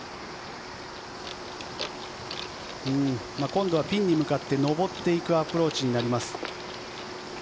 今度はピンに向かって上っていくアプローチになります。